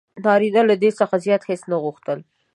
نارینه له دې څخه زیات هیڅ نه غوښتل: